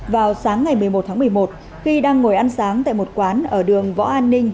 vào sáng ngày một mươi một tháng một mươi một khi đang ngồi ăn sáng tại một quán ở đường võ an ninh